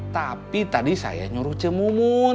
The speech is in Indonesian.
tapi tadi saya nyuruh cuma mun